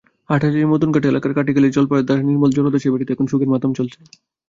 হাটহাজারীর মদুনাঘাট এলাকার কাটাখালী জলদাসপাড়ার নির্মল জলদাসের বাড়িতে এখন শোকের মাতম চলছে।